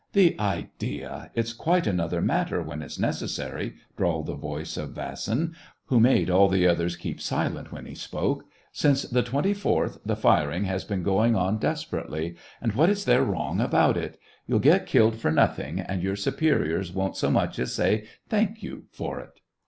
'' The idea ! It's quite another matter when it's necessary," drawled the voice of Vasin, who made all the others keep silent when he spoke :*' since the 24th, the firing has been going on desperately ; and what is there wrong about it ? You'll get killed for nothing, and your superiors won't so much as say * Thank you !' for it."